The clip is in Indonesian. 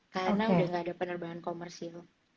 karena udah gak ada penerbangan komersil